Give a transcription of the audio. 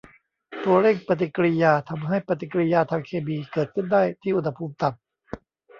ตัวเร่งปฏิกิริยาทำให้ปฏิกิริยาทางเคมีเกิดขึ้นได้ที่อุณหภูมิต่ำ